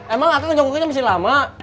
emang akar jongkoknya masih lama